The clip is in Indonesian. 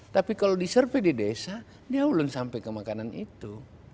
tapi kalau di survey di desa dia belum sampai ke makanan itu